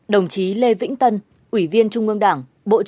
ba mươi một đồng chí lê vĩnh tân ủy viên trung ương đảng